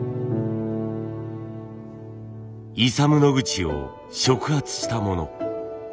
イサム・ノグチを触発したもの。